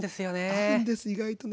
合うんです意外とね。